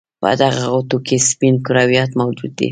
په دغه غوټو کې سپین کرویات موجود دي.